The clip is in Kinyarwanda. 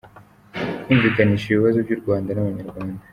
– Kumvikanisha ibibazo by’u Rwanda n’abanyarwanda;